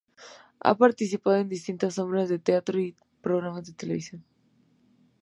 Ha participado en distintas obras de teatro y programas de televisión.